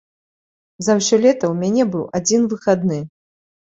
За ўсё лета ў мяне быў адзін выхадны.